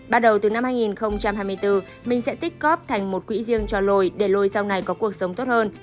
bắt đầu từ năm hai nghìn hai mươi bốn mình sẽ tích góp thành một quỹ riêng cho lôi để lôi sau này có cuộc sống tốt hơn